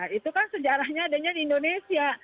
nah itu kan sejarahnya adanya di indonesia